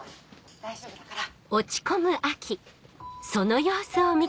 大丈夫だから。